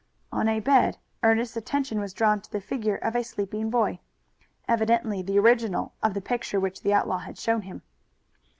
On a bed Ernest's attention was drawn to the figure of a sleeping boy evidently the original of the picture which the outlaw had shown him.